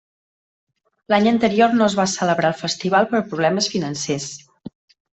L'any anterior no es va celebrar el festival per problemes financers.